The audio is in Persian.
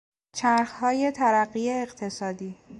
چرخهای ترقی اقتصادی